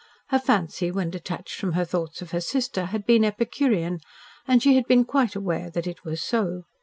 Her fancy, when detached from her thoughts of her sister, had been epicurean, and she had been quite aware that it was so.